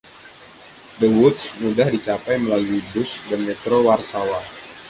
The Woods mudah dicapai melalui bus dan Metro Warsawa.